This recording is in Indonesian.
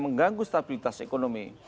mengganggu stabilitas ekonomi